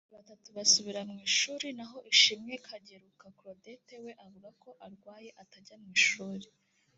batatu basubira mu ishuri naho Ishimwe Kageruka Claudette we avuga ko arwaye atajya mu ishuri